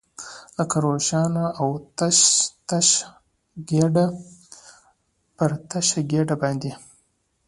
لکه روښانه او تشه ګېډه، پر تشه ګېډه باندې.